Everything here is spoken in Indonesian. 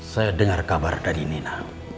saya dengar kabar dari nina